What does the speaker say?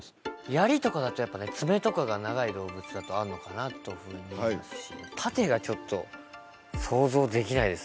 槍とかだとやっぱね爪とかが長い動物だとあるのかなというふうに見えますし盾がちょっと想像できないです